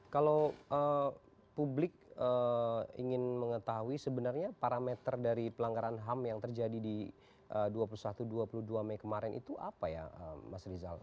kalau publik ingin mengetahui sebenarnya parameter dari pelanggaran ham yang terjadi di dua puluh satu dua puluh dua mei kemarin itu apa ya mas rizal